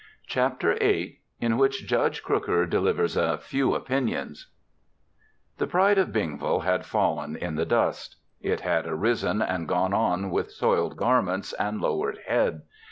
CHAPTER EIGHT IN WHICH JUDGE CROOKER DELIVERS A FEW OPINIONS The pride of Bingville had fallen in the dust! It had arisen and gone on with soiled garments and lowered head.